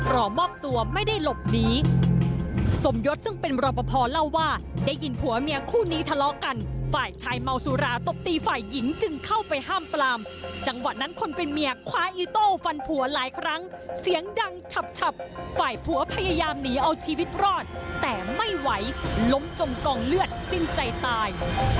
รอมอบตัวไม่ได้หลบหนีสมยศซึ่งเป็นรอปภเล่าว่าได้ยินผัวเมียคู่นี้ทะเลาะกันฝ่ายชายเมาสุราตบตีฝ่ายหญิงจึงเข้าไปห้ามปลามจังหวะนั้นคนเป็นเมียคว้าอีโต้ฟันผัวหลายครั้งเสียงดังฉับฝ่ายผัวพยายามหนีเอาชีวิตรอดแต่ไม่ไหวล้มจมกองเลือดสิ้นใจตาย